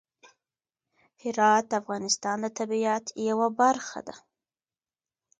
هرات د افغانستان د طبیعت یوه برخه ده.